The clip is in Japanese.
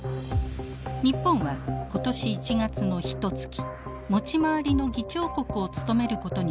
日本は今年１月のひとつき持ち回りの議長国を務めることになりました。